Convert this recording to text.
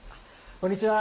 こんにちは。